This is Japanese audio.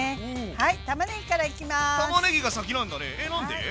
はい。